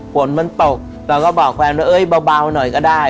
ฝนมันตกเราก็บอกแฟนว่าเอ้ยเบาหน่อยก็ได้